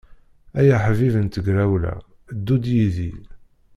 Ay aḥbib n tegrawla, ddu-d yid-i.